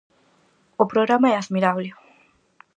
O programa é admirable.